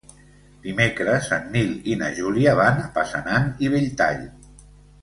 Dimecres en Nil i na Júlia van a Passanant i Belltall.